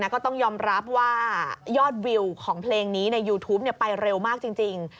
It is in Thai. ก็ต้องยอมรับว่ายอดวิวของเพลงนี้ในยูทูปไปเร็วมากจริง